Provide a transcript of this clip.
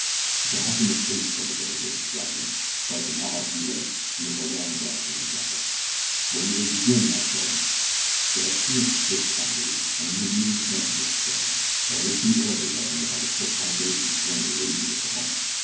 "We shall have to make haste," said Sir Richard, rising, "for I should not like to be late, and it is a long drive to Whitechapel." "When do they begin?" asked Welland. "They have tea at six, I believe, and then the meeting commences at seven, but I wish to be early that I may have a short conversation with one of the ladies of the Home."